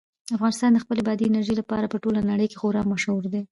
افغانستان د خپلې بادي انرژي لپاره په ټوله نړۍ کې خورا مشهور دی.